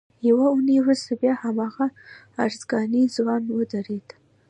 یوه اونۍ وروسته بیا هماغه ارزګانی ځوان ودرېد.